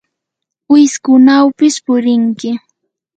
wiskunawpis purinki.